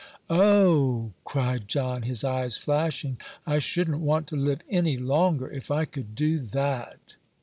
"O!" cried John, his eyes flashing, "I shouldn't want to live any longer, if I could do that."